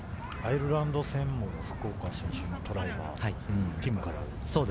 アイルランド戦も福岡選手のトライはティモから。